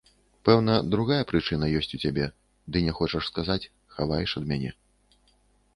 Пэўна, другая прычына ёсць у цябе, ды не хочаш сказаць, хаваеш ад мяне.